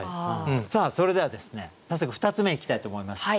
それでは早速２つ目いきたいと思います。